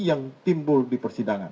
yang timbul di persidangan